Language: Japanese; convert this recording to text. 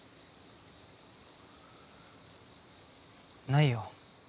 ないよ